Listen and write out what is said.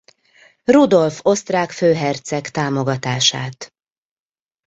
Rudolf osztrák főherceg támogatását.